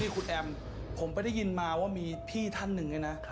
คุณแอ้มผมด้วยได้ยินว่ามีพี่ท่านหนึ่งไอ่น่ะ